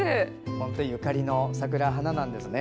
本当にゆかりのある桜なんですね。